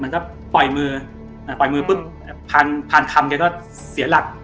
จะปล่อยมือปล่อยมือปุ๊บพานพานคำแกก็เสียหลัก